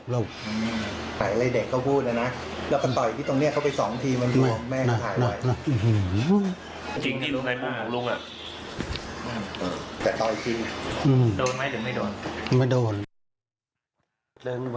หมายถึงโห่งทุกวิถีต่อยแล้วแต่น้องเขาโหลบ